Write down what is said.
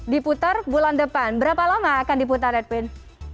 diputar bulan depan berapa lama akan diputar edwin